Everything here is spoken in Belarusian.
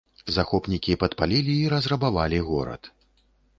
Захопнікі падпалілі і разрабавалі горад.